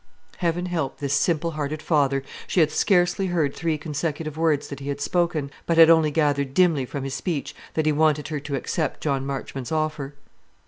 Heaven help this simple hearted father! She had scarcely heard three consecutive words that he had spoken, but had only gathered dimly from his speech that he wanted her to accept John Marchmont's offer.